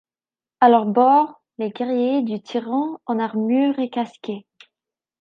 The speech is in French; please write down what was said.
À leur bord, les guerriers du Tiran en armure et casqués.